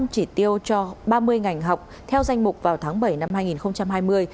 một trăm linh chỉ tiêu cho ba mươi ngành học theo danh mục vào tháng bảy năm hai nghìn hai mươi